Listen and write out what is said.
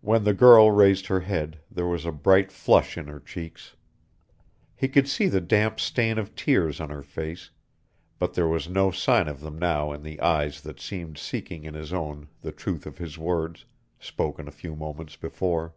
When the girl raised her head there was a bright flush in her cheeks. He could see the damp stain of tears on her face, but there was no sign of them now in the eyes that seemed seeking in his own the truth of his words, spoken a few moments before.